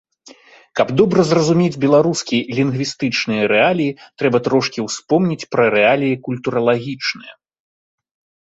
Каб добра зразумець беларускія лінгвістычныя рэаліі, трэба трошкі успомніць пра рэаліі культуралагічныя.